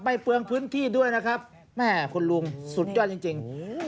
เปลืองพื้นที่ด้วยนะครับแม่คุณลุงสุดยอดจริง